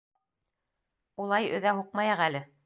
Улай өҙә һуҡмайыҡ әле...